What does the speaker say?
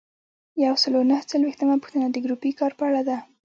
یو سل او نهه څلویښتمه پوښتنه د ګروپي کار په اړه ده.